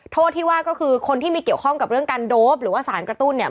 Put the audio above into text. โทษที่ว่าก็คือคนที่มีเกี่ยวข้องกับเรื่องการโดปหรือว่าสารกระตุ้นเนี่ย